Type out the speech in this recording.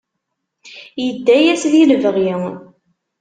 Idda yas di lebɣi.